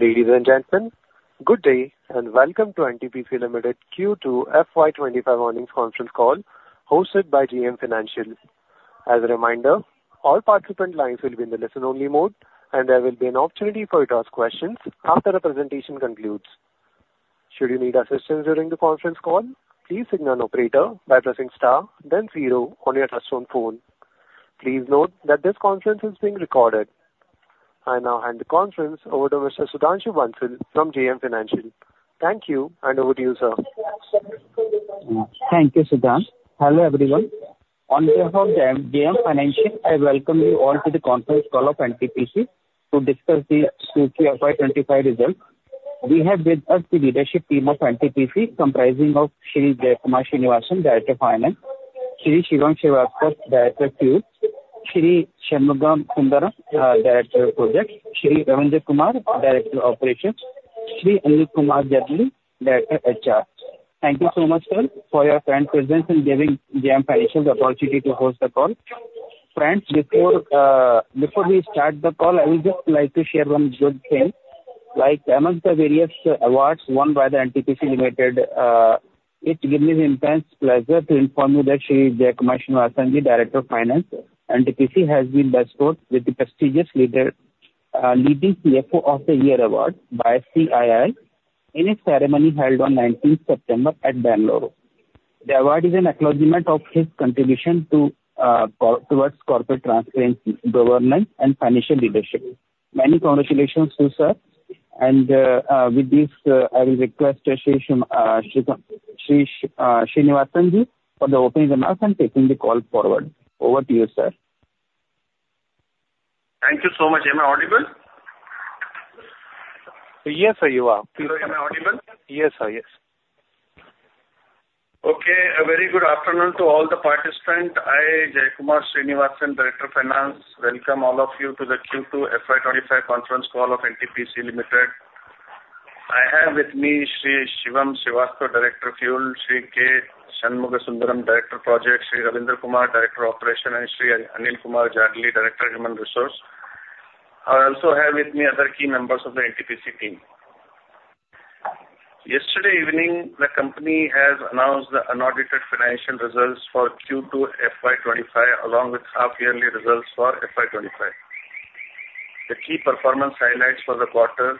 Ladies and gentlemen, good day, and welcome to NTPC Limited Q2 FY25 Earnings Conference Call, hosted by JM Financial. As a reminder, all participant lines will be in the listen-only mode, and there will be an opportunity for you to ask questions after the presentation concludes. Should you need assistance during the conference call, please signal an operator by pressing star, then zero on your touchtone phone. Please note that this conference is being recorded. I now hand the conference over to Mr. Sudhanshu Bansal from JM Financial. Thank you, and over to you, sir. Thank you, Sudhanshu. Hello, everyone. On behalf of JM, JM Financial, I welcome you all to the conference call of NTPC to discuss the Q3 FY25 results. We have with us the leadership team of NTPC, comprising of Shri Jaikumar Srinivasan, Director of Finance, Shri Shivam Srivastava, Director Fuels, Shri Shanmugam Sundaram, Director of Projects, Shri Ravindra Kumar, Director of Operations, Shri Anil Kumar Jadli, Director HR. Thank you so much, sir, for your kind presence in giving JM Financial the opportunity to host the call. Friends, before, before we start the call, I would just like to share one good thing. Like amongst the various awards won by the NTPC Limited, it gives me an intense pleasure to inform you that Shri Jaikumar Srinivasan, the Director of Finance, NTPC, has been bestowed with the prestigious Leading CFO of the Year award by CII in a ceremony held on nineteenth September at Bangalore. The award is an acknowledgment of his contribution to towards corporate transparency, governance, and financial leadership. Many congratulations to you, sir, and with this, I will request Shri Srinivasan ji for the opening remarks and taking the call forward. Over to you, sir. Thank you so much. Am I audible? Yes, sir, you are. Hello, am I audible? Yes, sir. Yes. Okay. A very good afternoon to all the participants. I, Jaikumar Srinivasan, Director of Finance, welcome all of you to the Q2 FY25 conference call of NTPC Limited. I have with me Shri Shivam Srivastava, Director of Fuels, Shri K. Shanmugasundaram, Director of Projects, Shri Ravindra Kumar, Director of Operations, and Shri Anil Kumar Jadgale, Director, Human Resources. I also have with me other key members of the NTPC team. Yesterday evening, the company has announced the unaudited financial results for Q2 FY25, along with half-yearly results for FY25. The key performance highlights for the quarter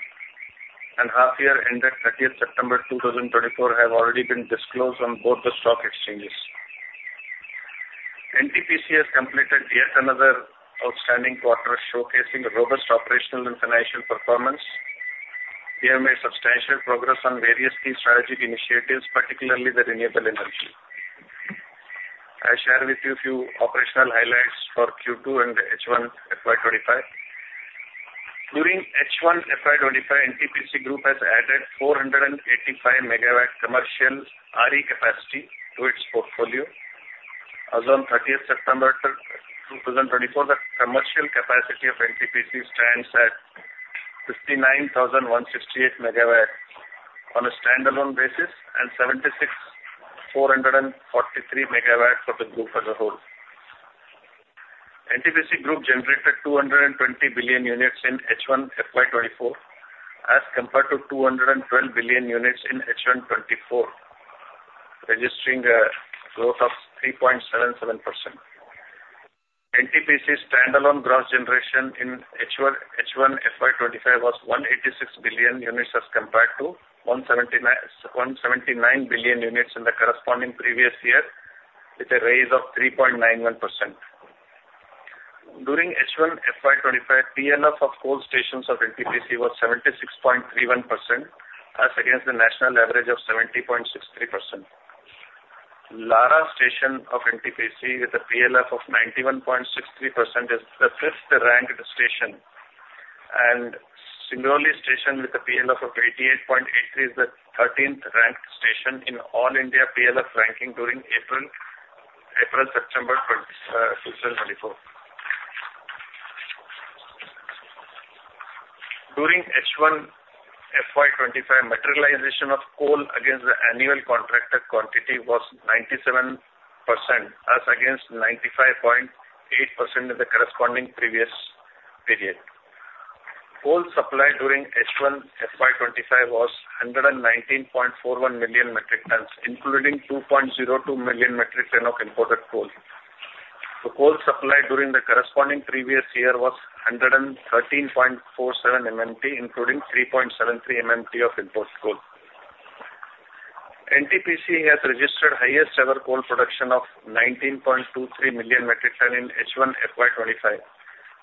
and half year ended 30th September 2024 have already been disclosed on both the stock exchanges. NTPC has completed yet another outstanding quarter, showcasing a robust operational and financial performance. We have made substantial progress on various key strategic initiatives, particularly the renewable energy. I share with you a few operational highlights for Q2 and H1 FY25. During H1 FY25, NTPC group has added 485 MW commercial RE capacity to its portfolio. As on 30th September 2024, the commercial capacity of NTPC stands at 69,168 MW on a standalone basis and 76,443 MW for the group as a whole. NTPC group generated 220 billion units in H1 FY24, as compared to 212 billion units in H1-24, registering a growth of 3.77%. NTPC's standalone gross generation in H1 FY25 was 186 billion units, as compared to 179 billion units in the corresponding previous year, with a rise of 3.91%. During H1 FY25, PLF of coal stations of NTPC was 76.31%, as against the national average of 70.63%. Lara station of NTPC, with a PLF of 91.63%, is the fifth ranked station, and Singrauli station, with a PLF of 88.83, is the 13th ranked station in all India PLF ranking during April-September 2024. During H1 FY25, materialization of coal against the annual contracted quantity was 97%, as against 95.8% in the corresponding previous period. Coal supply during H1 FY25 was 119.41 million metric tons, including 2.02 million metric ton of imported coal. The coal supply during the corresponding previous year was 113.47 MMT, including 3.73 MMT of imported coal. NTPC has registered highest ever coal production of 19.23 million metric tons in H1 FY25,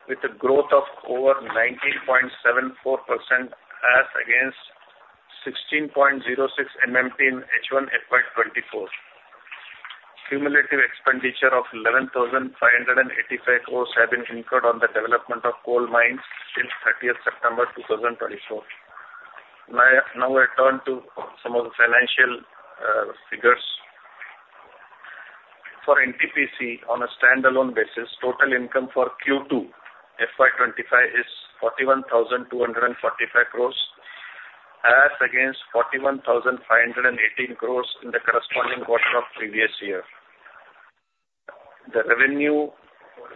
with a growth of over 19.74% as against 16.06 MMT in H1 FY24. Cumulative expenditure of 11,585 crores have been incurred on the development of coal mines since 30th September 2024. Now, I turn to some of the financial figures. For NTPC, on a standalone basis, total income for Q2 FY25 is 41,245 crores, as against 41,518 crores in the corresponding quarter of previous year. The revenue,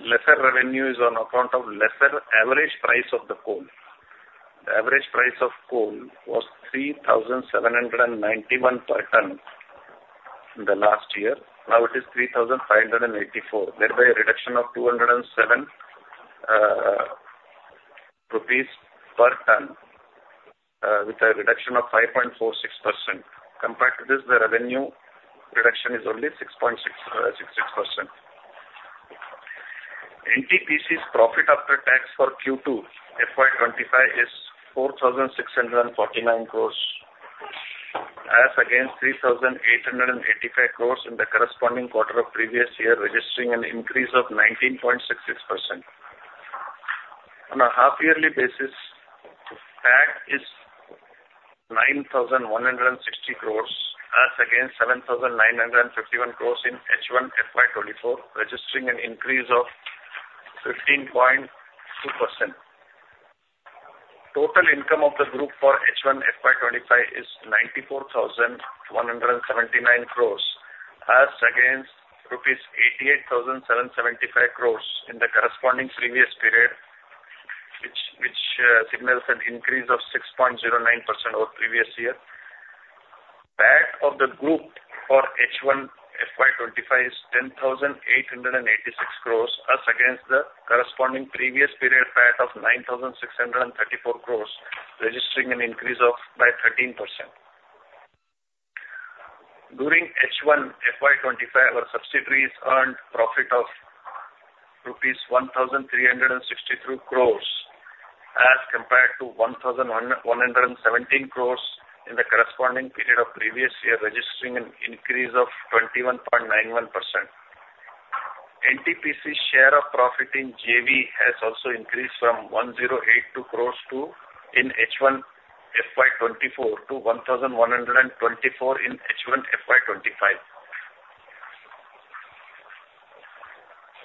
lesser revenue is on account of lesser average price of the coal. The average price of coal was 3,791 per ton in the last year. Now it is 3,584, thereby a reduction of 207 rupees per ton, with a reduction of 5.46%. Compared to this, the revenue reduction is only 6.66%. NTPC's profit after tax for Q2, FY25, is 4,649 crores, as against 3,885 crores in the corresponding quarter of previous year, registering an increase of 19.66%. On a half yearly basis, PAT is 9,160 crores, as against 7,951 crores in H1 FY24, registering an increase of 15.2%. Total income of the group for H1 FY25 is 94,179 crores, as against rupees 88,775 crores in the corresponding previous period, which signals an increase of 6.09% over previous year. PAT of the group for H1 FY25 is 10,886 crores, as against the corresponding previous period PAT of 9,634 crores, registering an increase of 13%. During H1 FY25, our subsidiaries earned profit of rupees 1,362 crores, as compared to 1,117 crores in the corresponding period of previous year, registering an increase of 21.91%. NTPC's share of profit in JV has also increased from 1,082 crores in H1 FY24 to 1,124 crores in H1 FY25,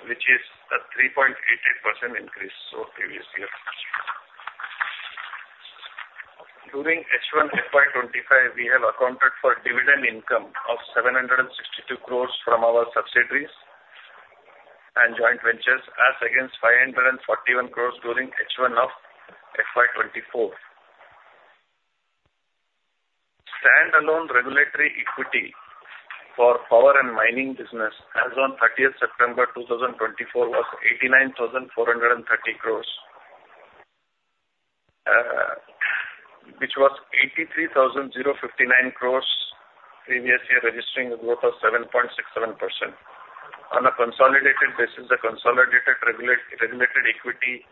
which is a 3.88% increase over previous year. During H1 FY25, we have accounted for dividend income of 762 crores from our subsidiaries and joint ventures, as against 541 crores during H1 of FY24. Standalone regulatory equity for power and mining business as on 30 September 2024 was 89,430 crores, which was 83,059 crores previous year, registering a growth of 7.67%. On a consolidated basis, the consolidated regulated equity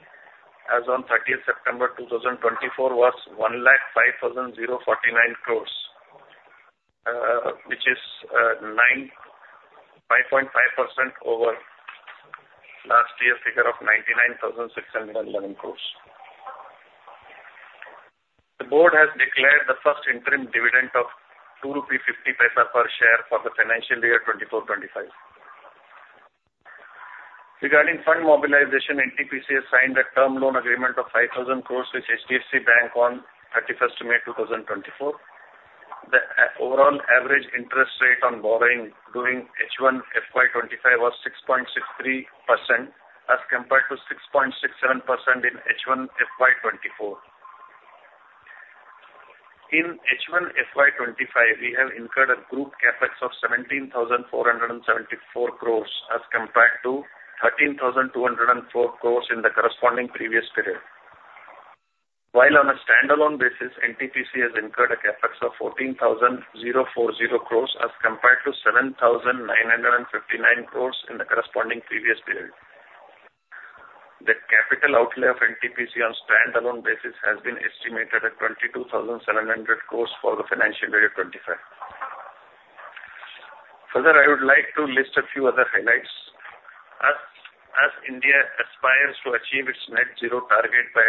as on thirtieth September 2024 was 1,05,049 crore, which is 95.5% over last year figure of 99,611 crore. The board has declared the first interim dividend of 2.50 rupees per share for the financial year 2024-2025. Regarding fund mobilization, NTPC has signed a term loan agreement of 5,000 crore with HDFC Bank on 31 May 2024. The overall average interest rate on borrowing during H1 FY25 was 6.63%, as compared to 6.67% in H1 FY24. In H1 FY25, we have incurred a group CapEx of 17,474 crores, as compared to 13,204 crores in the corresponding previous period. While on a standalone basis, NTPC has incurred a CapEx of 14,040 crores, as compared to 7,959 crores in the corresponding previous period. The capital outlay of NTPC on standalone basis has been estimated at 22,700 crores for the financial year 2025. Further, I would like to list a few other highlights. As India aspires to achieve its net zero target by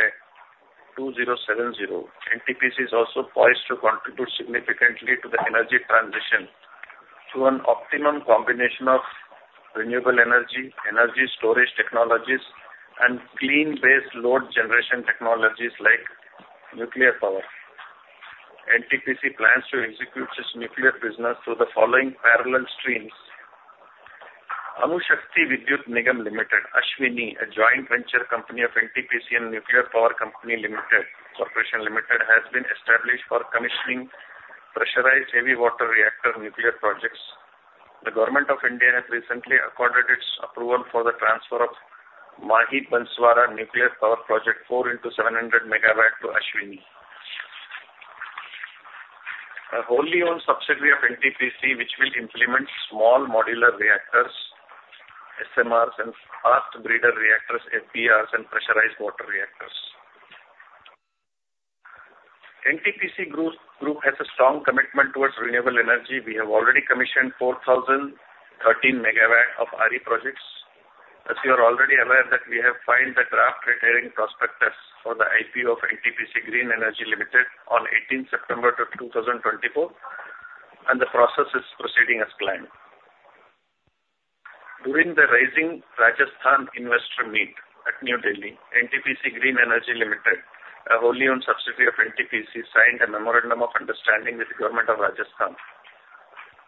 2070, NTPC is also poised to contribute significantly to the energy transition through an optimum combination of renewable energy, energy storage technologies, and clean base load generation technologies like nuclear power. NTPC plans to execute its nuclear business through the following parallel streams: Anushakti Vidhyut Nigam Limited, ASHVINI, a joint venture company of NTPC and Nuclear Power Corporation of India Limited, has been established for commissioning pressurized heavy water reactor nuclear projects. The Government of India has recently accorded its approval for the transfer of Mahi Banswara Nuclear Power Project, 4x700 MW, to ASHVINI. A wholly owned subsidiary of NTPC, which will implement small modular reactors, SMRs, and fast breeder reactors, FBRs, and pressurized water reactors. NTPC group has a strong commitment towards renewable energy. We have already commissioned 4,013 MW of RE projects. As you are already aware that we have filed the draft red herring prospectus for the IPO of NTPC Green Energy Limited on 18th September 2024, and the process is proceeding as planned. During the Rising Rajasthan Investor Meet at New Delhi, NTPC Green Energy Limited, a wholly owned subsidiary of NTPC, signed a memorandum of understanding with the Government of Rajasthan.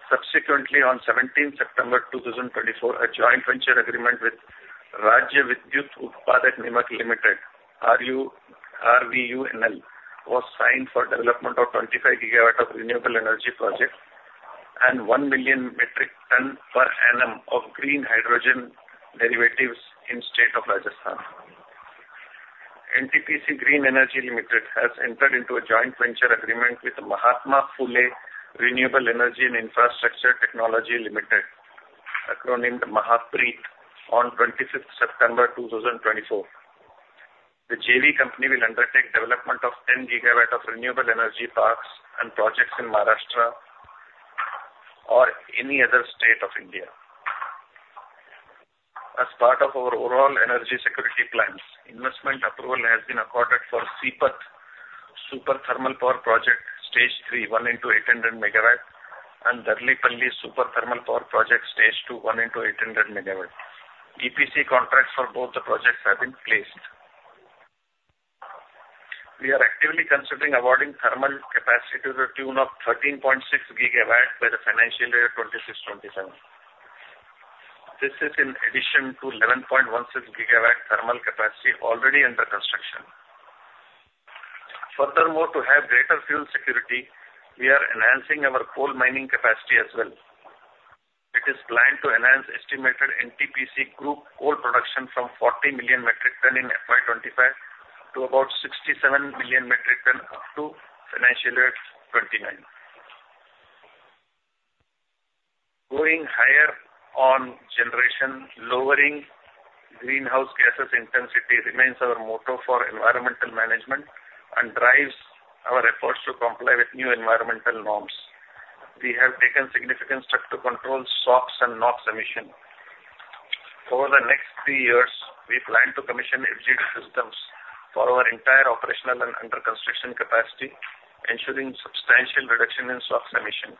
Subsequently, on seventeenth September two 2024, a joint venture agreement with Rajasthan Rajya Vidyut Utpadak Nigam Limited, RVUNL, was signed for development of 25 GW of renewable energy projects and 1 million metric ton per annum of green hydrogen derivatives in state of Rajasthan. NTPC Green Energy Limited has entered into a joint venture agreement with Mahatma Phule Renewable Energy and Infrastructure Technology Limited, acronymed MAHAPREIT, on twenty-fifth September two 2024. The JV company will undertake development of 10 GW of renewable energy parks and projects in Maharashtra or any other state of India. As part of our overall energy security plans, investment approval has been accorded for Sipat Super Thermal Power Project, Stage 3, 1 x 800 MW, and Darlipalli Super Thermal Power Project, Stage 2, 1 x 800 MW. EPC contracts for both the projects have been placed. We are actively considering awarding thermal capacity to the tune of 13.6 GW by the financial year 2026-2027. This is in addition to 11.16 GW thermal capacity already under construction. Furthermore, to have greater fuel security, we are enhancing our coal mining capacity as well. It is planned to enhance estimated NTPC group coal production from 40 million metric tons in FY25 to about 67 million metric tons up to financial year 2029. Going higher on generation, lowering greenhouse gases intensity remains our motto for environmental management and drives our efforts to comply with new environmental norms. We have taken significant steps to control SOx and NOx emission. Over the next three years, we plan to commission FGD systems for our entire operational and under construction capacity, ensuring substantial reduction in SOx emission.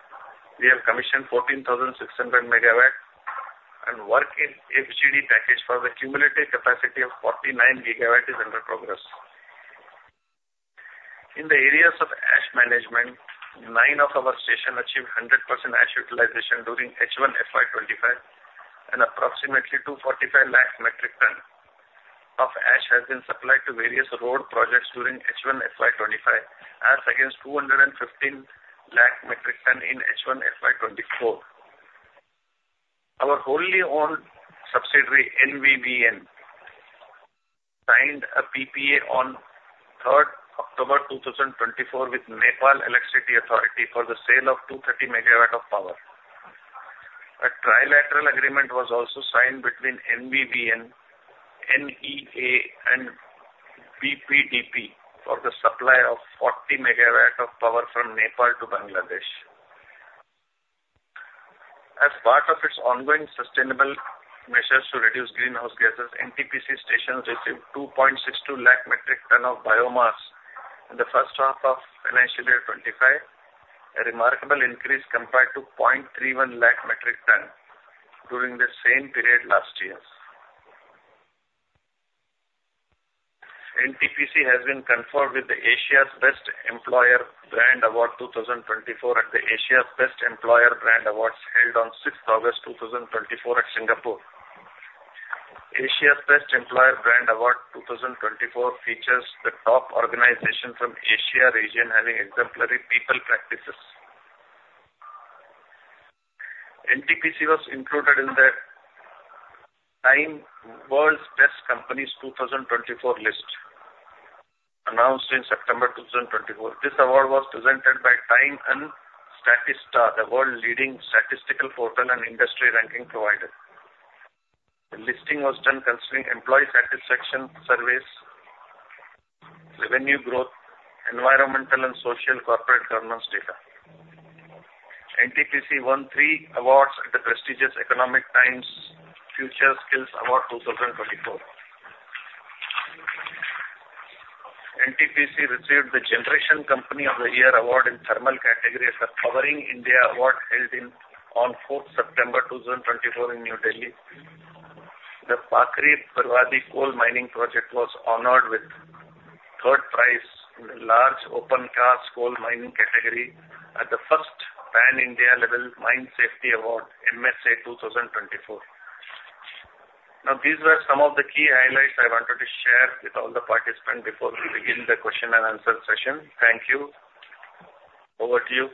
We have commissioned 14,600 MW, and work in FGD package for the cumulative capacity of 49 GW is under progress. In the areas of ash management, nine of our stations achieved 100% ash utilization during H1 FY25, and approximately 245 lakh metric tons of ash has been supplied to various road projects during H1 FY25, as against 215 lakh metric tons in H1 FY24. Our wholly owned subsidiary, NVVN, signed a PPA on third October 2024 with Nepal Electricity Authority for the sale of 230 MW of power. A trilateral agreement was also signed between NVVN, NEA and BPDB for the supply of 40 MW of power from Nepal to Bangladesh. As part of its ongoing sustainable measures to reduce greenhouse gases, NTPC stations received 2.62 lakh metric ton of biomass in the first half of financial year 2025, a remarkable increase compared to 0.31 lakh metric ton during the same period last year. NTPC has been conferred with the Asia's Best Employer Brand Award 2024, at the Asia's Best Employer Brand Awards, held on sixth August 2024 at Singapore. Asia's Best Employer Brand Award 2024 features the top organization from Asia region having exemplary people practices. NTPC was included in the TIME World's Best Companies 2024 list, announced in September 2024. This award was presented by TIME and Statista, the world's leading statistical portal and industry ranking provider. The listing was done considering employee satisfaction surveys, revenue growth, environmental and social corporate governance data. NTPC won three awards at the prestigious Economic Times Future Skills Award 2024. NTPC received the Generation Company of the Year award in thermal category at the Powering India Award, held on fourth September 2024 in New Delhi. The Pakri Barwadih Coal Mining Project was honored with third prize in the large open cast coal mining category at the first Pan India level Mine Safety Award, MSA 2024. Now, these were some of the key highlights I wanted to share with all the participants before we begin the question and answer session. Thank you. Over to you.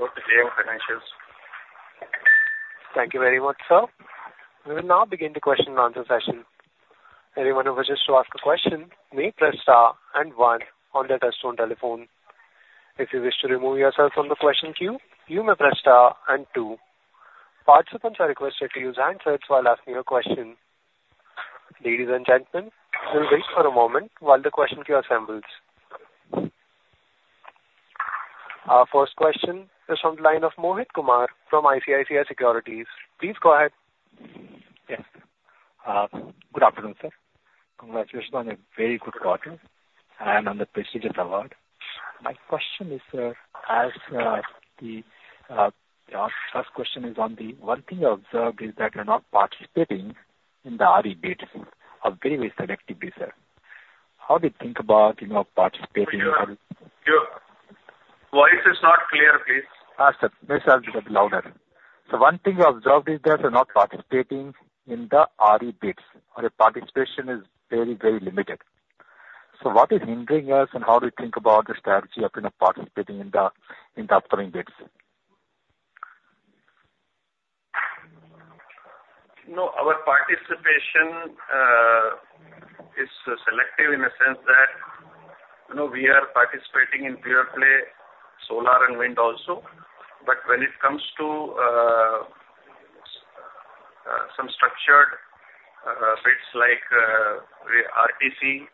Over to you, financials. Thank you very much, sir. We will now begin the question and answer session. Anyone who wishes to ask a question, may press star and one on their touchtone telephone. If you wish to remove yourself from the question queue, you may press star and two. Participants are requested to use handsets while asking a question. Ladies and gentlemen, we'll wait for a moment while the question queue assembles. Our first question is from the line of Mohit Kumar, from ICICI Securities. Please go ahead. Yes. Good afternoon, sir. Congratulations on a very good quarter and on the prestigious award. My question is, sir, our first question is on the one thing I observed is that you're not participating in the RE bids are very, very selective, sir. How do you think about, you know, participating in- Your voice is not clear, please. Sir. This has to be louder. So one thing we observed is that you're not participating in the RE bids, or your participation is very, very limited. So what is hindering us, and how do you think about the strategy of, you know, participating in the, in the upcoming bids? No, our participation is selective in a sense that, you know, we are participating in pure play, solar and wind also. But when it comes to some structured bids like RTC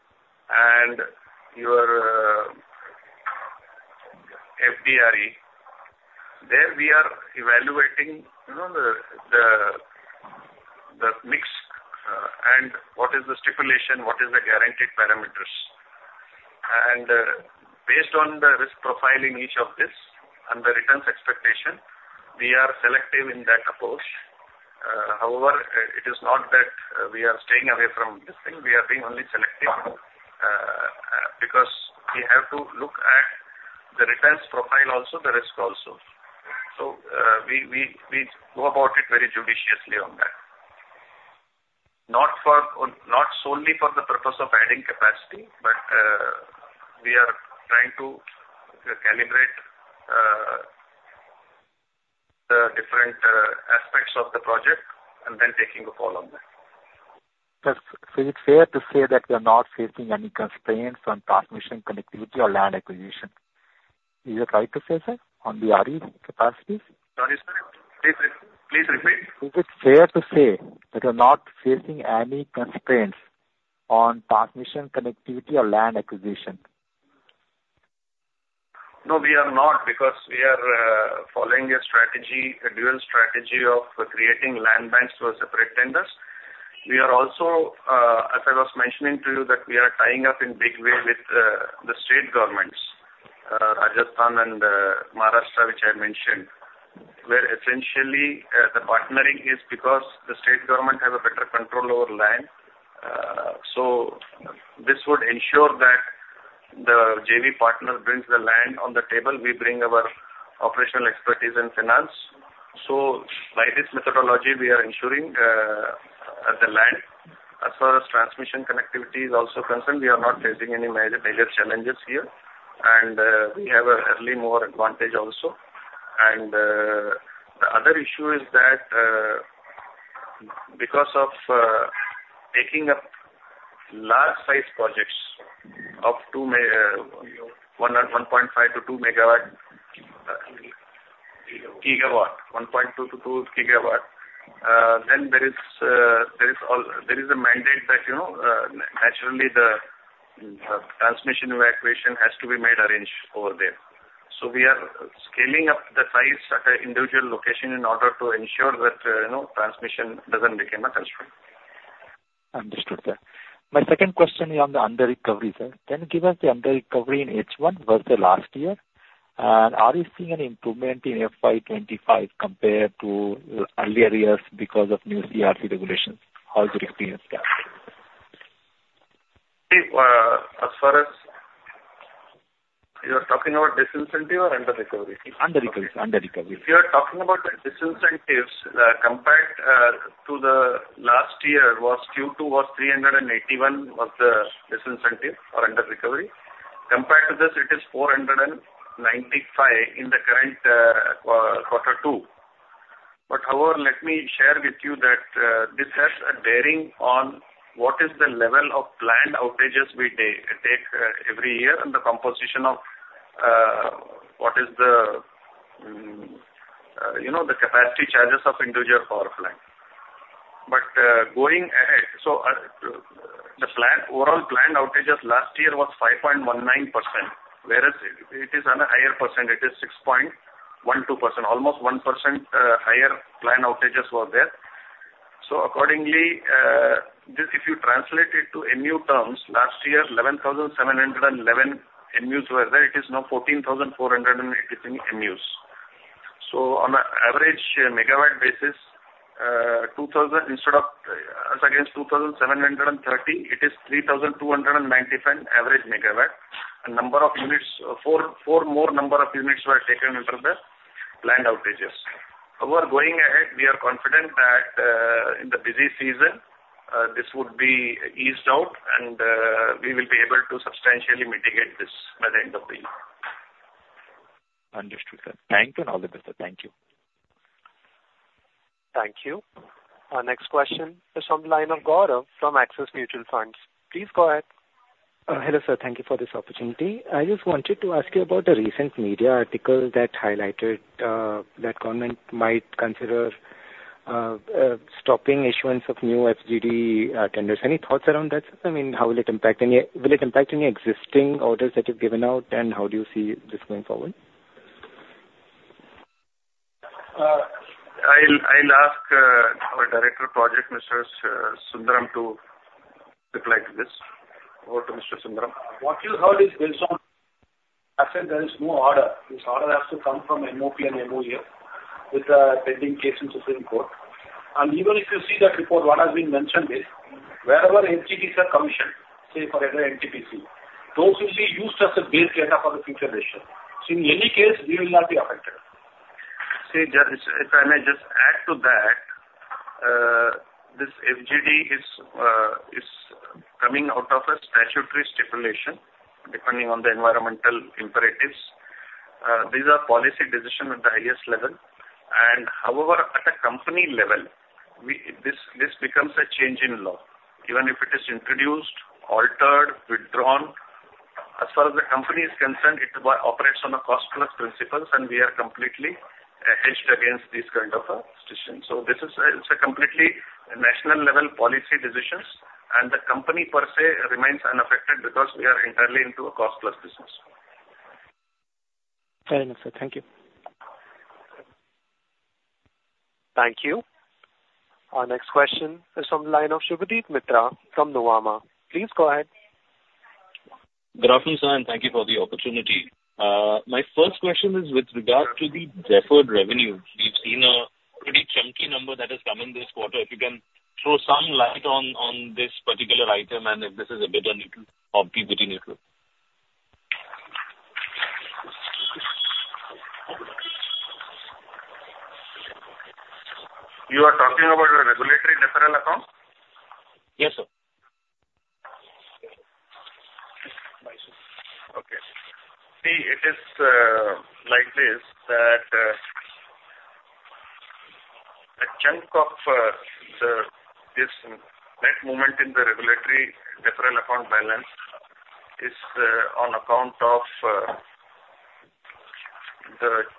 and your FDRE, there we are evaluating, you know, the mix and what is the stipulation, what is the guaranteed parameters. Based on the risk profile in each of this and the returns expectation, we are selective in that approach. However, it is not that we are staying away from this thing. We are being only selective because we have to look at the returns profile also, the risk also. So we go about it very judiciously on that. Not solely for the purpose of adding capacity, but we are trying to calibrate the different aspects of the project and then taking a call on that. Sir, so is it fair to say that you're not facing any constraints on transmission, connectivity, or land acquisition? Is it right to say, sir, on the RE capacities? Sorry, sir. Please repeat. Is it fair to say that you're not facing any constraints on transmission, connectivity or land acquisition? No, we are not, because we are following a strategy, a dual strategy of creating land banks through a separate tenders. We are also, as I was mentioning to you, that we are tying up in big way with the state governments, Rajasthan and Maharashtra, which I mentioned. Where essentially, the partnering is because the state government has a better control over land. So this would ensure that the JV partner brings the land on the table. We bring our operational expertise and finance. So by this methodology, we are ensuring the land. As far as transmission connectivity is also concerned, we are not facing any major challenges here, and we have a early mover advantage also. The other issue is that because of taking up large size projects of 1.5 GW - 2 GW, 1.2 GW - 2 GW, then there is a mandate that, you know, naturally, the transmission evacuation has to be made arranged over there. So we are scaling up the size at an individual location in order to ensure that, you know, transmission doesn't become a constraint. Understood, sir. My second question is on the under recovery, sir. Can you give us the under recovery in H1 versus last year? And are you seeing an improvement in FY25 compared to earlier years because of new CRP regulations? How is your experience there? See, as far as... You're talking about disincentive or under recovery? Under recovery. If you are talking about the disincentives, compared to the last year was Q2 was 381, was the disincentive or under recovery. Compared to this, it is 495 in the current quarter two. But however, let me share with you that this has a bearing on what is the level of planned outages we take every year, and the composition of what is the capacity charges of individual power plant. But going ahead, so the plan, overall planned outages last year was 5.19%, whereas it is on a higher percentage, it is 6.12%. Almost 1% higher planned outages were there. So accordingly, this, if you translate it to MU terms, last year, eleven thousand seven hundred and eleven MUs were there. It is now 14483 MUs. So on an average MW basis, 2000, instead of, as against two thousand seven hundred and thirty, it is three thousand two hundred and ninety-five average MW. A number of units, four more number of units were taken into the planned outages. However, going ahead, we are confident that, in the busy season, this would be eased out, and we will be able to substantially mitigate this by the end of the year. Understood, sir. Thank you and all the best, sir. Thank you. Thank you. Our next question is from the line of Gaurav from Axis Mutual Fund. Please go ahead. Hello, sir. Thank you for this opportunity. I just wanted to ask you about the recent media article that highlighted that government might consider stopping issuance of new FGD tenders. Any thoughts around that, sir? I mean, how will it impact any existing orders that you've given out, and how do you see this going forward? I'll ask our Director of Projects, Mr. Shanmugam Sundaram, to reply to this. Over to Mr. Shanmugam Sundaram. What you heard is based on, as said, there is no order. This order has to come from MOP and MOE with the pending case in Supreme Court. And even if you see that report, what has been mentioned is wherever FGDs are commissioned, say, for NTPC, those will be used as a baseline for the future decision. So in any case, we will not be affected. See, just, if I may just add to that, this FGD is coming out of a statutory stipulation depending on the environmental imperatives. These are policy decisions at the highest level. However, at a company level, this becomes a change in law, even if it is introduced, altered, withdrawn. As far as the company is concerned, it operates on a cost plus principles, and we are completely hedged against this kind of a decision. So this is, it's a completely national level policy decisions, and the company per se remains unaffected because we are entirely into a cost plus business. Very nice, sir. Thank you. Thank you. Our next question is from the line of Subhadip Mitra from Nuvama. Please go ahead. Good afternoon, sir, and thank you for the opportunity. My first question is with regard to the deferred revenue. We've seen a pretty chunky number that has come in this quarter. If you can throw some light on this particular item and if this is a better needle of the between it. You are talking about the Regulatory Deferral Account? Yes, sir. Okay. See, it is like this, that a chunk of this net movement in the regulatory deferral account balance is on account of the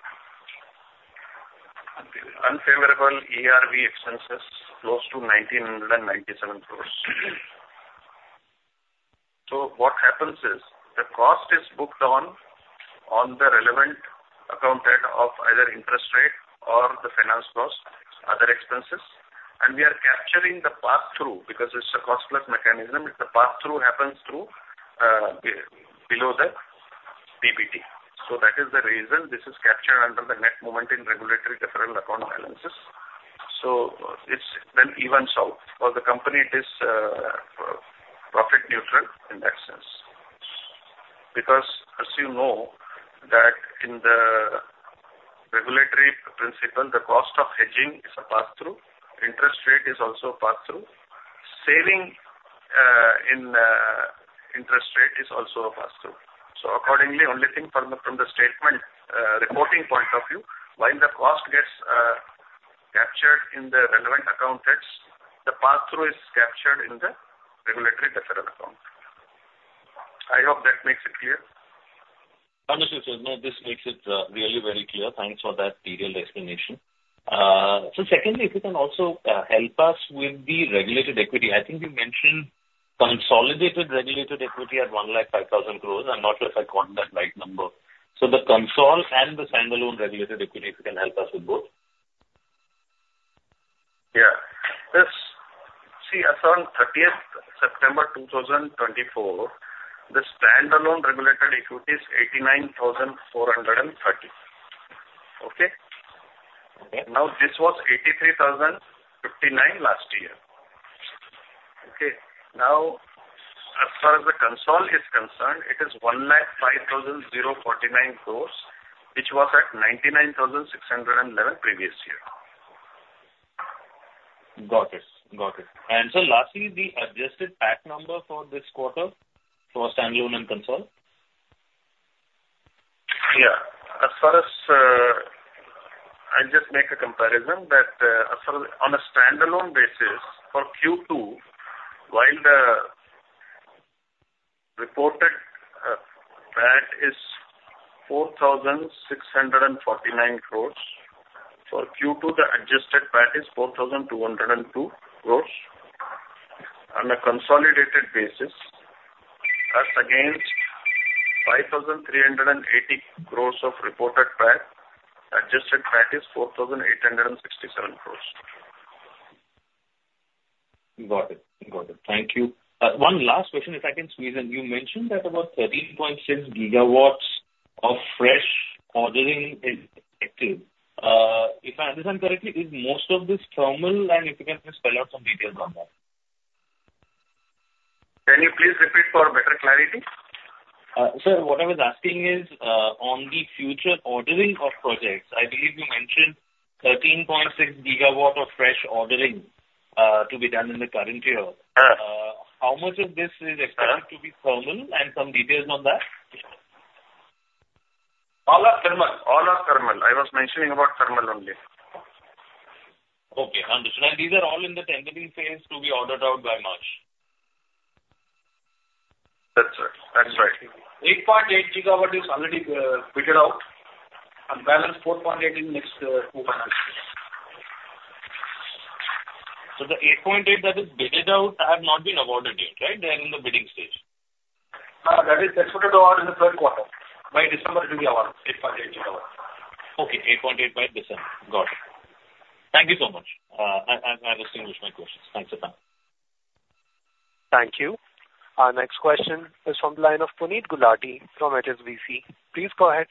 unfavorable ERV expenses, close to 1,997 crores. So what happens is, the cost is booked on the relevant account head of either interest rate or the finance cost, other expenses, and we are capturing the passthrough because it's a cost plus mechanism. If the passthrough happens through below the PBT. So that is the reason this is captured under the net movement in regulatory deferral account balances. So it then evens out. For the company, it is profit neutral in that sense. Because as you know, that in the regulatory principle, the cost of hedging is a passthrough, interest rate is also a passthrough. Saving in interest rate is also a passthrough. So accordingly, the only thing from the statement reporting point of view, while the cost gets captured in the relevant account heads, the passthrough is captured in the regulatory deferral account. I hope that makes it clear. Understood, so no, this makes it, really very clear. Thanks for that detailed explanation. So secondly, if you can also, help us with the regulated equity. I think you mentioned consolidated regulated equity at 1 lakh 5000 crores. I'm not sure if I got that right number. So the consolidated and the standalone regulated equity, if you can help us with both. Yeah. This, see, as on 30th September 2024, the standalone regulated equity is 89430. Okay? Okay. Now, this was 83,059 last year. Okay? Now, as far as the consolidated is concerned, it is 105,049 crores, which was at 99,611 previous year. Got it. Got it. And so lastly, the adjusted PAT number for this quarter for standalone and consolidated? Yeah. As far as, I'll just make a comparison, that, as far as on a standalone basis for Q2, while the reported PAT is 4,649 crores, for Q2, the adjusted PAT is 4,202 crores. On a consolidated basis, that's against 5,380 crores of reported PAT. Adjusted PAT is 4,867 crores. Got it. Got it. Thank you. One last question, if I can squeeze in. You mentioned that about 13.6 GW of fresh ordering is active. If I understand correctly, is most of this thermal, and if you can just spell out some details on that. Can you please repeat for better clarity? Sir, what I was asking is, on the future ordering of projects, I believe you mentioned 13.6 GW of fresh ordering, to be done in the current year. Yeah. How much of this is expected- Yeah. -to be thermal, and some details on that? All are thermal. All are thermal. I was mentioning about thermal only. Okay, understood. And these are all in the tendering phase to be ordered out by March? That's right. That's right. 8.8 GW is already bid out, and balance 4.8 in next two months. So the eight point eight that is bidded out have not been awarded yet, right? They are in the bidding stage. That is expected to award in the third quarter. By December, it will be awarded, 8.8 will be awarded. Okay, eight point eight by December. Got it. Thank you so much. I've distinguished my questions. Thanks a ton. Thank you. Our next question is from the line of Puneet Gulati from HSBC. Please go ahead.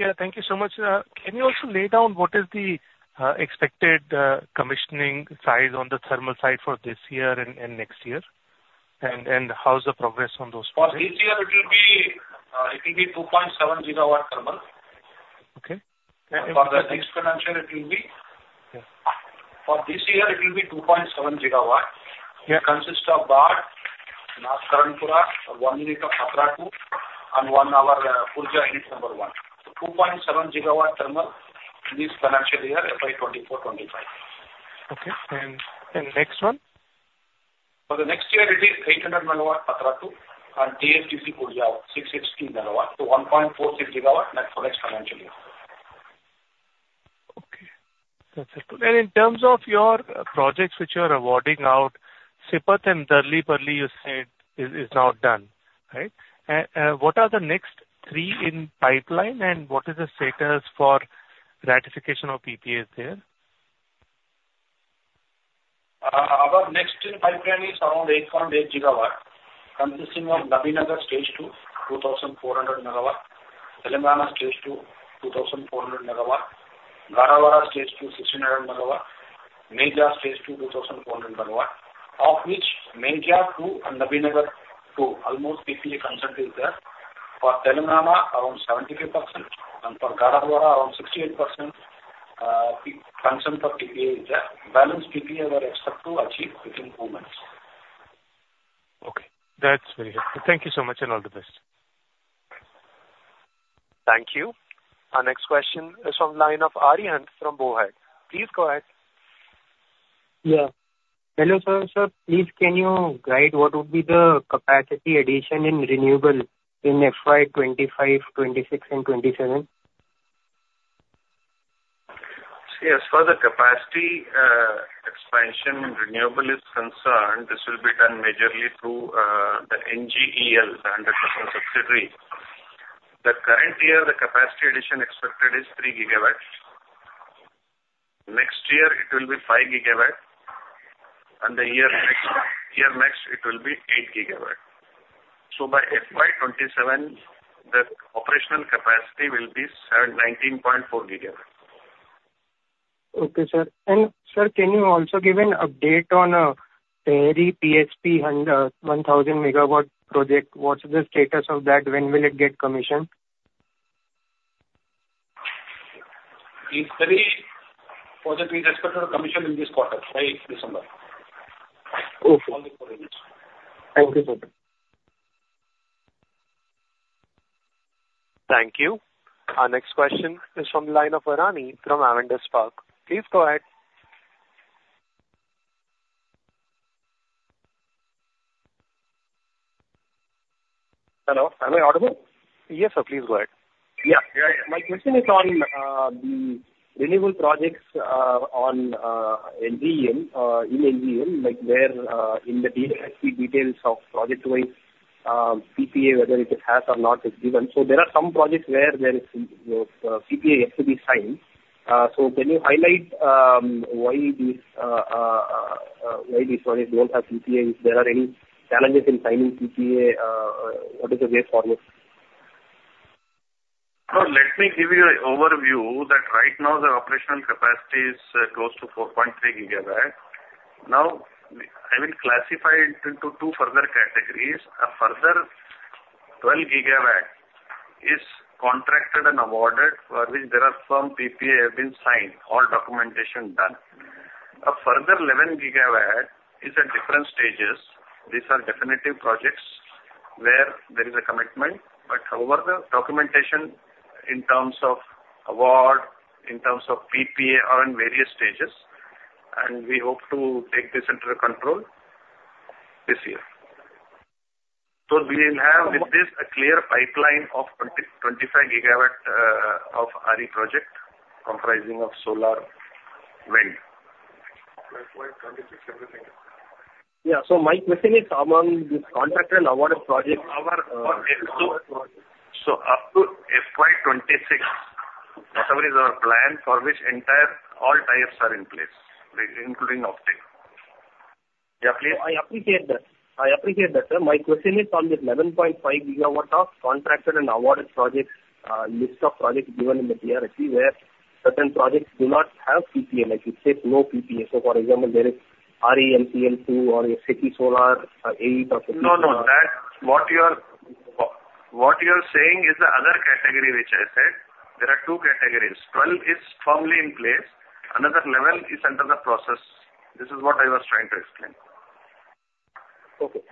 Yeah, thank you so much. Can you also lay down what is the expected commissioning size on the thermal side for this year and next year? And how's the progress on those projects? For this year it will be 2.7 GW thermal. Okay. For the next financial, it will be- Yeah. For this year it will be 2.7 GW. Yeah. Consists of the North Karanpura, one unit of Patratu, and one of our Lara unit number one. So 2.7 GW thermal in this financial year, FY24-25. Okay. And next one? For the next year it is 800 MW Patratu and Talcher, 660 MW, so 1.46 GW for next financial year. Okay. That's good. And in terms of your projects which you are awarding out, Sipat and Darlipalli, you said is now done, right? What are the next three in pipeline, and what is the status for ratification of PPAs there? Our next in pipeline is around 8.8 GW, consisting of Nabinagar Stage-II, 2,400 MW; Telangana Stage-II, 2,400 MW; Gadarwara Stage-II, 1,600 MW; Meja Stage-II, 2,400 MW. Of which, Meja Two and Nabinagar Two, almost PPA consent is there. For Telangana, around 73%, and for Gadarwara, around 68%, consent for PPA is there. Balance PPA we are expect to achieve within four months. Okay. That's very helpful. Thank you so much, and all the best. Thank you. Our next question is from line of Aryan from BofA. Please go ahead. Hello, sir. Sir, please can you guide what would be the capacity addition in renewable in FY25, 2026 and 2027? So as for the capacity expansion in renewable is concerned, this will be done majorly through the NGEL, the 100% subsidiary. The current year, the capacity addition expected is three GW. Next year, it will be five GW, and the year next it will be eight GW. So by FY27, the operational capacity will be 19.4 GW. Okay, sir. And sir, can you also give an update on Tehri PSP and one thousand MW project? What's the status of that? When will it get commissioned? The three projects with respect to the commissioning in this quarter, by December. Okay. All the four units. Thank you, sir. Thank you. Our next question is from the line of Varani from Avendus Spark. Please go ahead. Hello, am I audible? Yes, sir, please go ahead. Yeah. Yeah, yeah. My question is on the renewable projects on NGEL, in NGEL, like, where in the details of project-wise PPA, whether it is has or not, is given. So there are some projects where there is PPA yet to be signed. So can you highlight why these projects don't have PPA? If there are any challenges in signing PPA, what is the way forward? So let me give you an overview, that right now the operational capacity is close to 4.3 GW. Now, I will classify it into two further categories. A further 12 GW is contracted and awarded, for which there are some PPA have been signed, all documentation done. A further 11 GW is at different stages. These are definitive projects where there is a commitment, but however, the documentation in terms of award, in terms of PPA, are in various stages, and we hope to take this into the control this year. So we will have, with this, a clear pipeline of 20GW - 25 GW of RE project, comprising of solar, wind. 20.26, everything. Yeah. So my question is, among these contracted awarded projects. Up to FY26, that is our plan for which entire all tiers are in place, including offtake. Yeah, please? I appreciate that. I appreciate that, sir. My question is on the 11.5 GW of contracted and awarded projects, list of projects given in the DRHP, where certain projects do not have PPA, like it says, no PPA. So for example, there is REMCL two or a SECI solar, AE- No, no. That, what you are saying is the other category which I said. There are two categories. Twelve is firmly in place. Another level is under the process. This is what I was trying to explain. Okay.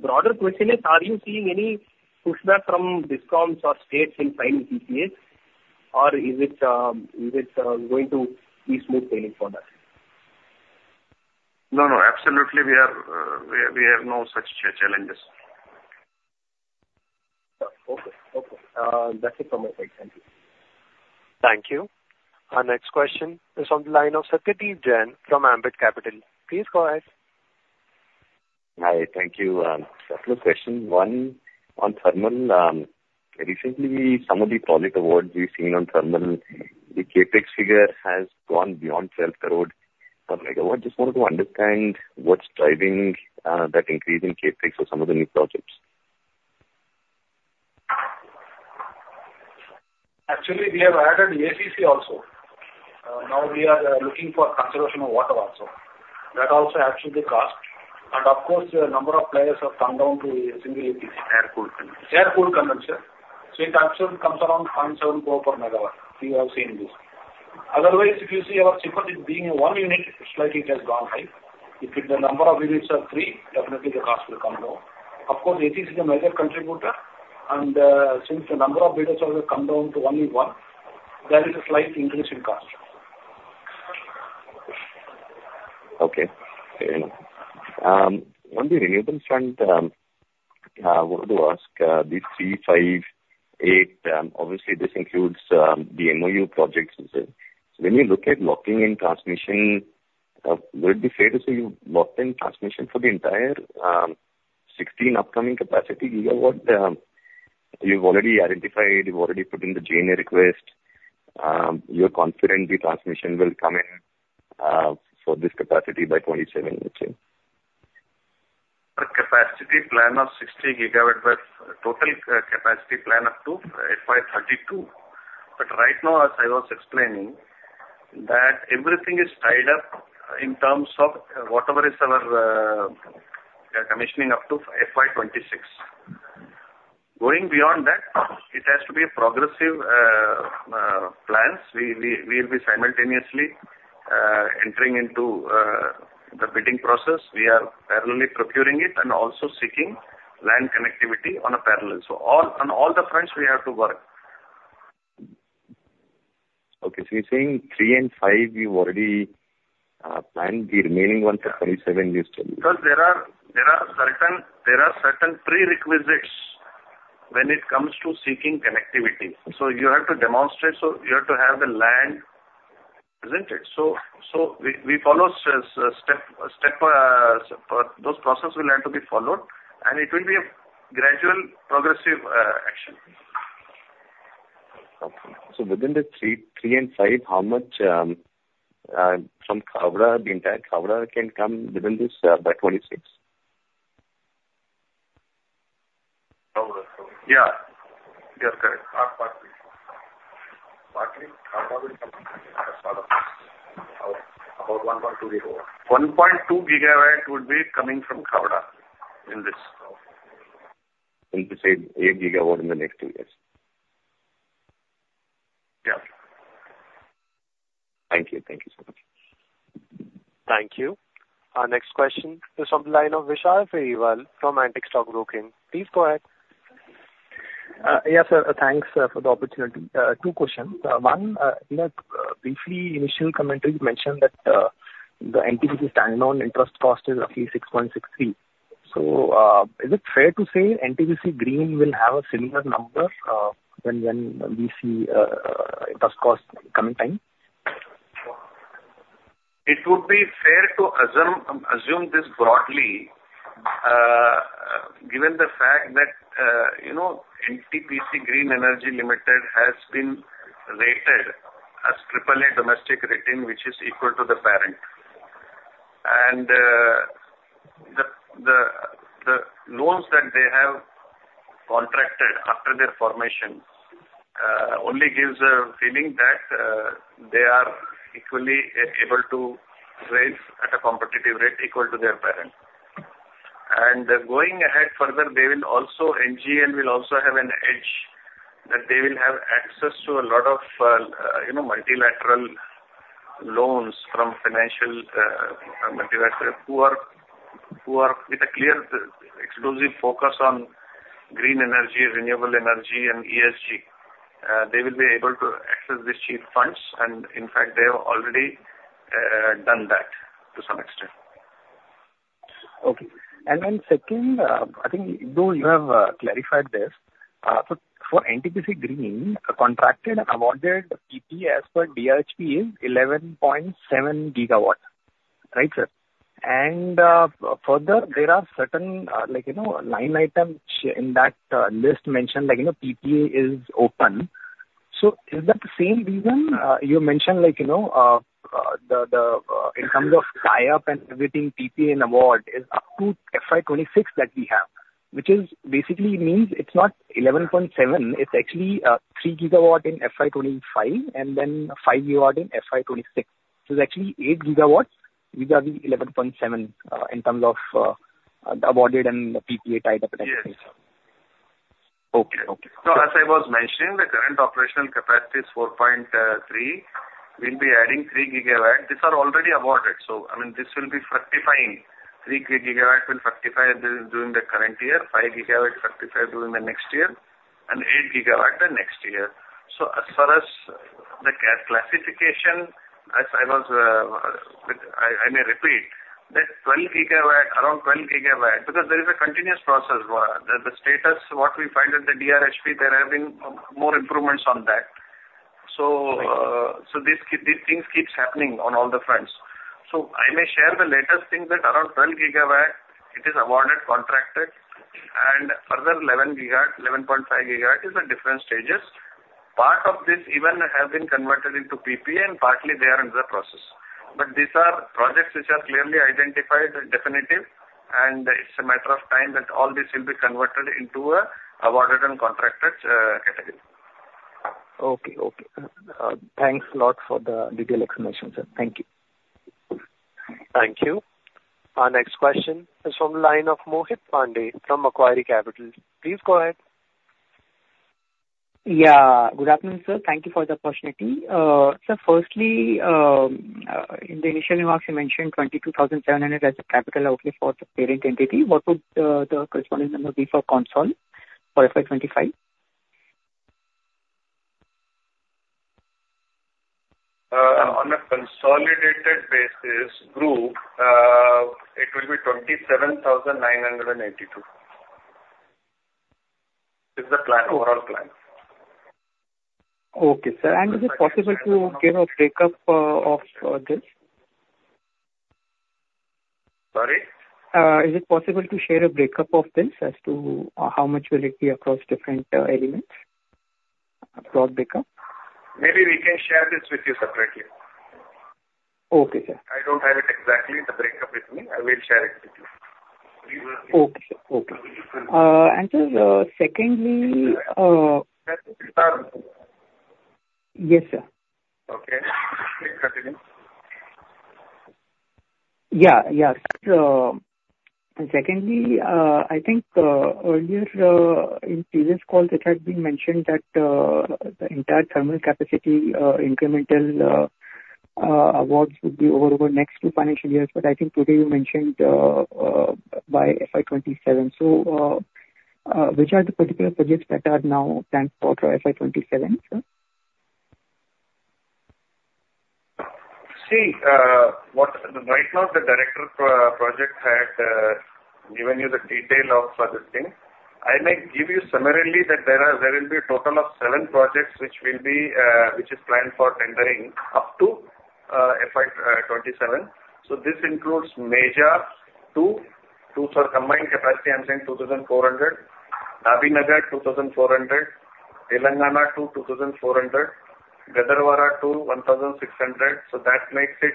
Broader question is: Are you seeing any pushback from discoms or states in signing PPAs, or is it going to be smooth sailing for that? No, no, absolutely, we are, we have no such challenges. That's it from my side. Thank you. Thank you. Our next question is on the line of Satyadeep Jain from Ambit Capital. Please go ahead. Hi, thank you. Couple of questions, one on thermal. Recently, some of the project awards we've seen on thermal, the CapEx figure has gone beyond 12 crore per MW. Just wanted to understand what's driving that increase in CapEx for some of the new projects? Actually, we have added ACC also. Now we are looking for conservation of water also. That also adds to the cost, and of course, the number of players have come down to a single ACC. Air-cooled condenser. Air-cooled condenser. So it actually comes around point seven four per MW. We have seen this. Otherwise, if you see our set is being one unit, slightly it has gone high. If the number of units are three, definitely the cost will come down. Of course, AC is the major contributor, and since the number of bidders have come down to only one, there is a slight increase in cost. Okay. On the renewables front, I wanted to ask, these three, five, eight, obviously this includes the MOU projects. So when you look at locking in transmission, would it be fair to say you've locked in transmission for the entire sixteen upcoming capacity, GW? You've already identified, you've already put in the GNA request, you're confident the transmission will come in for this capacity by twenty seven, you think? Our capacity plan of 60 GW with total capacity plan up to 8.32. But right now, as I was explaining, that everything is tied up in terms of whatever is our commissioning up to FY 2026. Going beyond that, it has to be a progressive plans. We'll be simultaneously entering into the bidding process. We are parallelly procuring it and also seeking land connectivity on a parallel. So all on all the fronts, we have to work. Okay, so you're saying three and five, you've already planned the remaining ones for 27 years? Because there are certain prerequisites when it comes to seeking connectivity. So you have to demonstrate, so you have to have the land, isn't it? So we follow step those processes will have to be followed, and it will be a gradual progressive action. Okay. So within the three, three and five, how much from Khavda, the entire Khavda can come within this by 2026? Khavda. Yeah. Yes, correct. About 1.2 GW. 1.2 GW would be coming from Khavda in this. You say eight GW in the next two years? Yeah. Thank you. Thank you so much. Thank you. Our next question is on the line of Vishal Periwal from Antique Stock Broking. Please go ahead. Yes, sir. Thanks for the opportunity. Two questions. One, in your brief initial commentary, you mentioned that the NTPC standalone interest cost is roughly 6.63. So, is it fair to say NTPC Green will have a similar number when we see its cost coming time? It would be fair to assume this broadly, given the fact that, you know, NTPC Green Energy Limited has been rated as triple A domestic rating, which is equal to the parent. And the loans that they have contracted after their formation only gives a feeling that they are equally able to raise at a competitive rate equal to their parent. And going ahead further, they will also... NGEL will also have an edge, that they will have access to a lot of, you know, multilateral loans from financial multilaterals who are with a clear exclusive focus on green energy, renewable energy and ESG. They will be able to access these cheap funds, and in fact, they have already done that to some extent. Okay. Second, I think though you have clarified this, so for NTPC Green, contracted awarded PPA as per DRHP is 11.7 GW. Right, sir? Further, there are certain, like, you know, line items in that list mentioned, like, you know, PPA is open. So is that the same reason you mentioned, like, you know, the in terms of tie-up and everything, PPA and award is up to FY26 that we have, which basically means it's not 11.7, it's actually three GW in FY25, and then five GW in FY 2026. So it's actually eight GW regarding 11.7 in terms of awarded and the PPA tied up. Yes. Okay. Okay. So as I was mentioning, the current operational capacity is 4.3. We'll be adding 3 GW. These are already awarded. So I mean, this will be fructifying. 3 GW will fructify during the current year, 5 GW fructify during the next year, and 8 GW the next year. So as far as the classification, as I was, I may repeat, that 12 GW, around 12 GW, because there is a continuous process. The status, what we find in the DRHP, there have been more improvements on that. So, Thank you. So these things keep happening on all the fronts. So I may share the latest thing that around 12 GW, it is awarded, contracted, and further 11 GW, 11.5 GW is in different stages. Part of this even have been converted into PP, and partly they are in the process. But these are projects which are clearly identified as definitive, and it's a matter of time that all this will be converted into a awarded and contracted category. Okay, okay. Thanks a lot for the detailed explanation, sir. Thank you. Thank you. Our next question is from the line of Mohit Pandey from Macquarie Capital. Please go ahead. Yeah. Good afternoon, sir. Thank you for the opportunity. So firstly, in the initial remarks, you mentioned 22,700 as the capital outlay for the parent entity. What would the corresponding number be for consolidated for FY25? On a consolidated basis group, it will be 27982. Is the plan, overall plan. Okay, sir, and is it possible to give a breakup of this? Sorry? Is it possible to share a break-up of this as to how much will it be across different elements? A broad break-up. Maybe we can share this with you separately. Okay, sir. I don't have it exactly the breakup with me. I will share it with you. Okay. Okay. And sir, secondly, Sir... Yes, sir. Okay. Please continue. Yeah, yeah. So secondly, I think earlier, in previous calls, it had been mentioned that the entire thermal capacity, incremental awards would be over the next two financial years. But I think today you mentioned by FY27. So, which are the particular projects that are now planned for FY27, sir? See, right now, the director for project had given you the detail of this thing. I may give you similarly that there will be a total of seven projects, which will be, which is planned for tendering up to FY27. So this includes Meja Two, two for combined capacity, I'm saying 2,400; Nabinagar, 2,400; Telangana Two, 2,400; Gadarwara Two, 1,600. So that makes it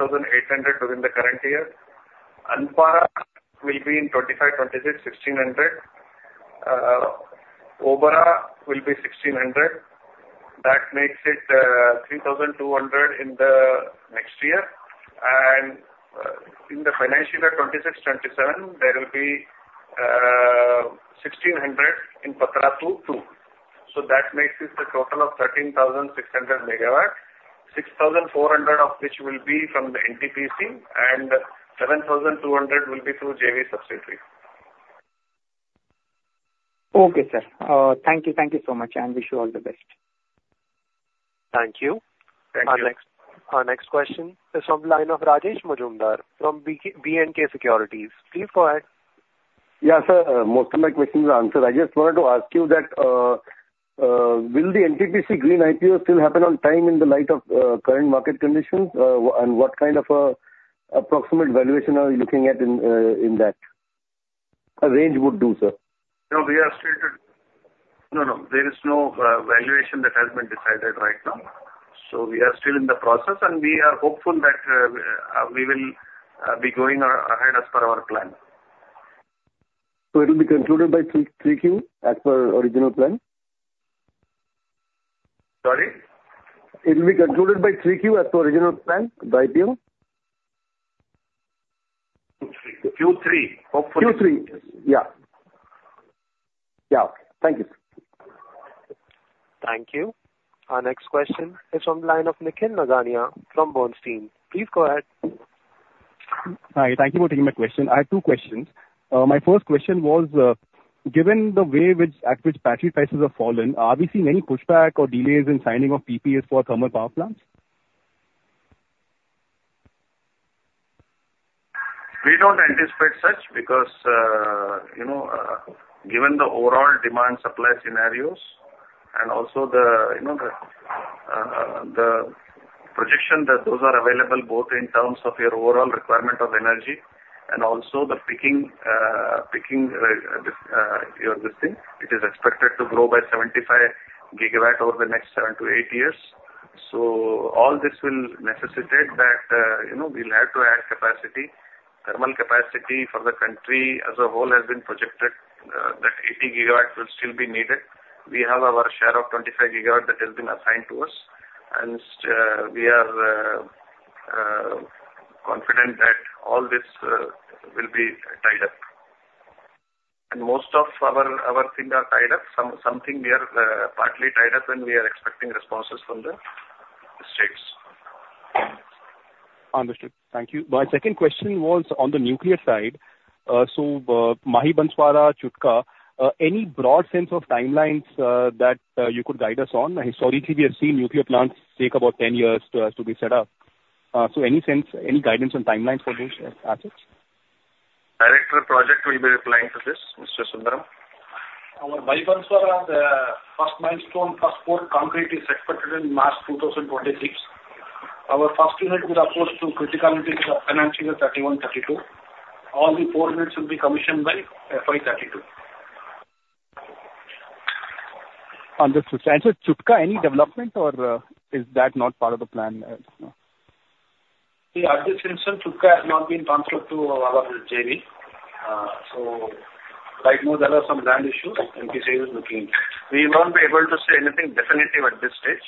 8,800 within the current year. Anpara will be in 2025-2026, 1,600. Obra will be 1,600. That makes it 3,200 in the next year. And in the financial year 2026-2027, there will be 1,600 in Patratu II. That makes it a total of 13,600 MW, 6,400 of which will be from the NTPC and 7,200 will be through JV subsidiary. Okay, sir. Thank you. Thank you so much, and wish you all the best. Thank you. Thank you. Our next question is from the line of Rajesh Majumdar from B & K Securities. Please go ahead. Yeah, sir. Most of my questions are answered. I just wanted to ask you that, will the NTPC Green IPO still happen on time in the light of current market conditions? And what kind of a approximate valuation are you looking at in that? A range would do, sir. No, we are still, No, no, there is no valuation that has been decided right now. So we are still in the process, and we are hopeful that we will be going ahead as per our plan. So it will be concluded by 3Q, as per original plan? Sorry? It will be concluded by 3Q, as per original plan, the IPO? Q3. Q3, hopefully. Q3. Yeah. Yeah. Thank you. Thank you. Our next question is from the line of Nikhil Nigania from Bernstein. Please go ahead. Hi, thank you for taking my question. I have two questions. My first question was, given the way at which battery prices have fallen, are we seeing any pushback or delays in signing of PPAs for thermal power plants? We don't anticipate such because, you know, given the overall demand/supply scenarios, and also the, you know, the projection that those are available both in terms of your overall requirement of energy and also the peaking, it is expected to grow by 75 GW over the next seven to eight years. So all this will necessitate that, you know, we'll have to add capacity. Thermal capacity for the country as a whole has been projected, that 80 GW will still be needed. We have our share of 25 GW that has been assigned to us, and we are confident that all this will be tied up. And most of our thing are tied up. Something we are partly tied up, and we are expecting responses from the... Understood. Thank you. My second question was on the nuclear side. So, Mahi Banswara, Chutka, any broad sense of timelines that you could guide us on? Historically, we have seen nuclear plants take about ten years to be set up. So any sense, any guidance on timelines for those assets? Director Projects will be replying to this, Mr. Sundaram. Our Mahi Banswara, the first milestone, first concrete pour, is expected in March 2026. Our first unit will, of course, come to criticality by FY31-32. All the four units will be commissioned by FY32. Understood. And so Chutka, any development or, is that not part of the plan as of now? Yeah, at this instance, Chutka has not been transferred to our JV. So right now there are some land issues, NTPC is looking. We won't be able to say anything definitive at this stage.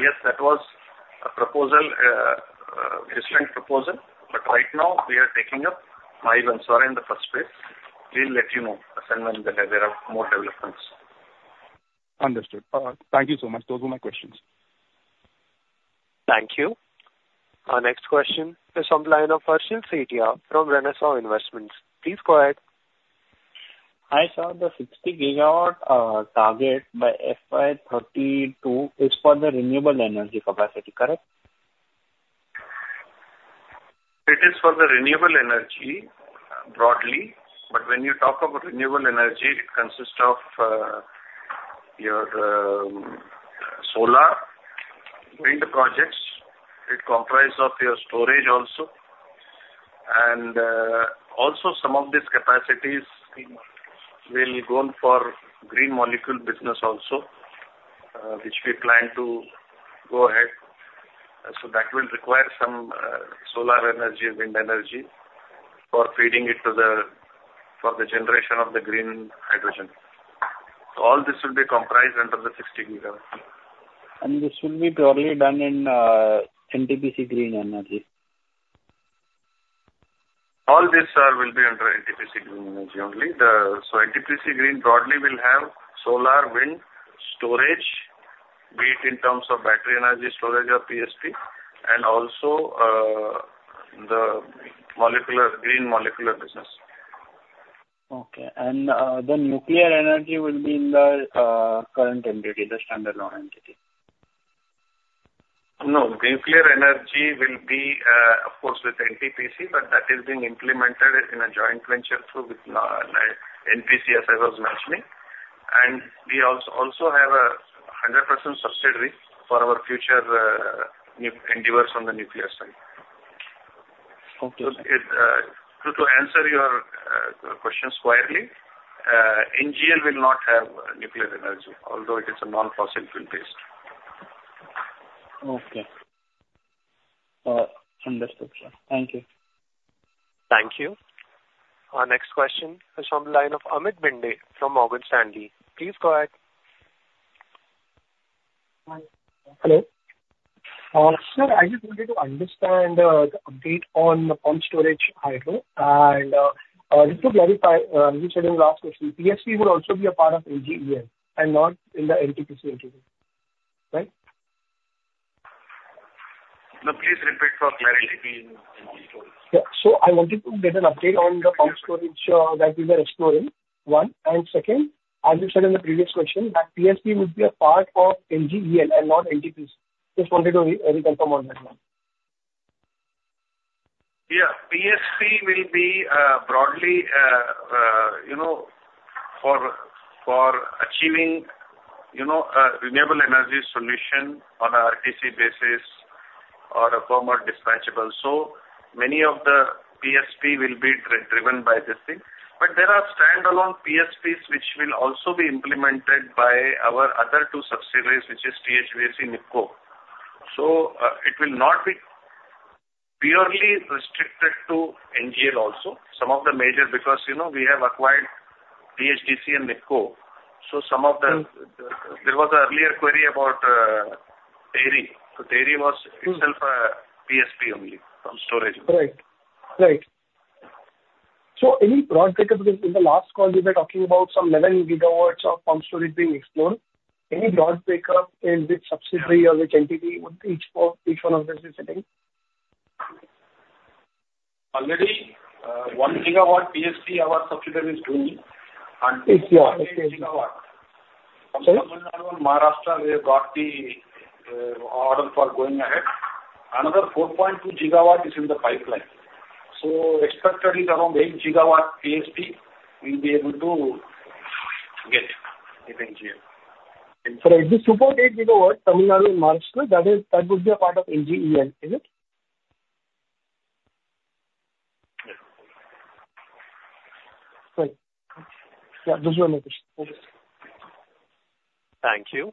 Yes, that was a proposal, different proposal, but right now we are taking up Mahi Banswara in the first place. We'll let you know as and when there are more developments. Understood. Thank you so much. Those were my questions. Thank you. Our next question is from the line of Harshal Setia from Renaissance Investment Managers. Please go ahead. I saw the 60 GW target by FY32 is for the renewable energy capacity, correct? It is for the renewable energy, broadly. But when you talk about renewable energy, it consists of your solar wind projects. It comprise of your storage also. And also some of these capacities will go for green molecule business also, which we plan to go ahead. So that will require some solar energy and wind energy for feeding it to the, for the generation of the green hydrogen. All this will be comprised under the 60 GW. And this will be purely done in NTPC Green Energy? All this, sir, will be under NTPC green energy only. The, so NTPC green broadly will have solar, wind, storage, be it in terms of battery energy storage or PSP, and also, the molecular, green molecular business. Okay. And the nuclear energy will be in the current entity, the standalone entity? No, nuclear energy will be, of course, with NTPC, but that is being implemented in a joint venture through NPCIL, as I was mentioning. We also have a 100% subsidiary for our future nuclear endeavors on the nuclear side. Okay. So to answer your questions quietly, NGEL will not have nuclear energy, although it is a non-fossil fuel-based. Okay. Understood, sir. Thank you. Thank you. Our next question is from the line of Amit Bhinde from Morgan Stanley. Please go ahead. Hi. Hello. Sir, I just wanted to understand the update on pumped storage hydro, and just to clarify, you said in the last question, PSP will also be a part of NGEL and not in the NTPC entity, right? No, please repeat for clarity. Yeah, so I wanted to get an update on the pumped storage that we were exploring, one. And second, as you said in the previous question, that PSP would be a part of NGEL and not NTPC. Just wanted to re-confirm on that one. Yeah. PSP will be broadly, you know, for achieving, you know, renewable energy solution on a RTC basis or a firm or dispatchable. So many of the PSP will be driven by this thing. But there are standalone PSPs which will also be implemented by our other two subsidiaries, which is THDC and NEEPCO. So, it will not be purely restricted to NGEL also. Some of the major, because, you know, we have acquired THDC and NEEPCO, so some of the- Mm. There was an earlier query about Tehri. So Tehri was- Mm. itself a PSP only, pumped storage. Right. Right. So any broad breakup, because in the last call, you were talking about some 11 GW of pumped storage being explored. Any broad breakup in which subsidiary or which entity would each for, each one of them is sitting? Already, 1 GW PSP, our subsidiary is doing. And- Yes, yeah. 8 GW. Sorry? Tamil Nadu and Maharashtra, we have got the order for going ahead. Another 4.2 GW is in the pipeline. So expected is around 8 GW PSP, we'll be able to get in NGL. So if you support 8 GW, Tamil Nadu and Maharashtra, that is, that would be a part of NGEL, is it? Yes. Right. Yeah, those were my questions. Okay. Thank you.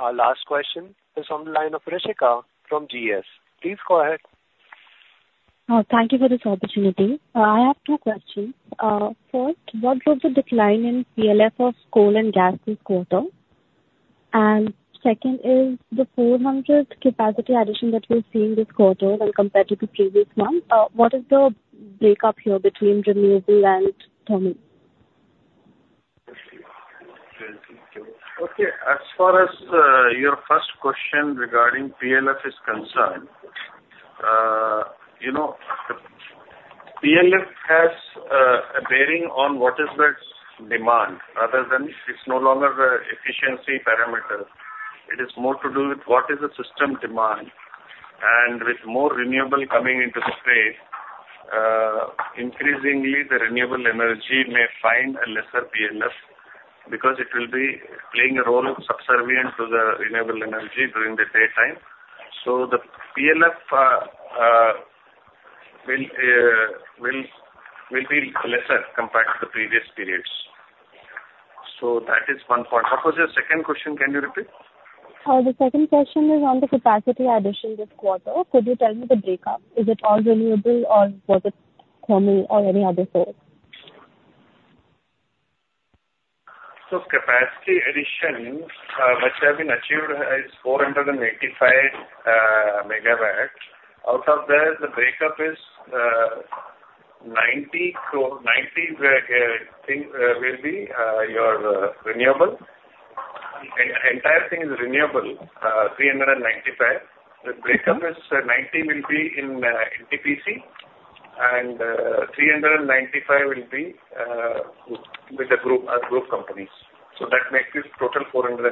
Our last question is on the line of Rishika from GS. Please go ahead. Thank you for this opportunity. I have two questions. First, what was the decline in PLF of coal and gas this quarter? And second is the 400 capacity addition that we're seeing this quarter when compared to the previous one, what is the breakup here between renewable and thermal? Okay, as far as your first question regarding PLF is concerned, you know, PLF has a bearing on what is the demand, other than it's no longer the efficiency parameter. It is more to do with what is the system demand. And with more renewable coming into the play, increasingly the renewable energy may find a lesser PLF, because it will be playing a role subservient to the renewable energy during the daytime. So the PLF will be lesser compared to the previous periods. So that is one point. Suppose your second question, can you repeat? The second question is on the capacity addition this quarter. Could you tell me the breakup? Is it all renewable or was it thermal or any other source? So capacity addition, which has been achieved, is 485 MW. Out of that, the breakup is 90 to 90 will be your renewable. Entire thing is renewable 395. Okay. The breakup is ninety will be in NTPC, and three hundred and ninety-five will be with the group companies. So that makes it total 485.